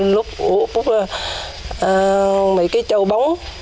lúc mấy cái chầu bóng